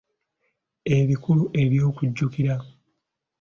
Ebikulu eby’okujjukira